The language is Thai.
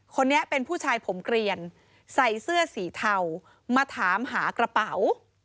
คนนี้เป็นผู้ชายผมเกลียนใส่เสื้อสีเทามาถามหากระเป๋า